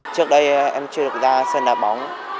trước đây em chưa được ra sân đá bóng